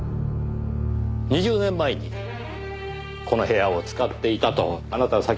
２０年前にこの部屋を使っていたとあなたは先ほど言いましたねぇ。